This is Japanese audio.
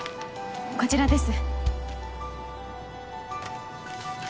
こちらです。